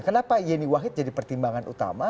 kenapa yeni wahid jadi pertimbangan utama